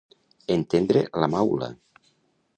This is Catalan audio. Entendre la maula.